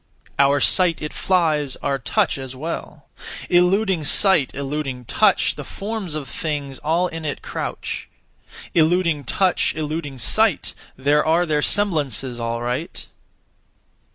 Our sight it flies, our touch as well. Eluding sight, eluding touch, The forms of things all in it crouch; Eluding touch, eluding sight, There are their semblances, all right.